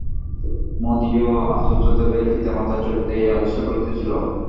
মদীয় আচার্যদেবের পিতামাতার চরিত্র এই আদর্শে গঠিত ছিল।